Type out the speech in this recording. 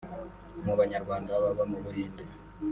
mu banyarwanda baba mu Buhinde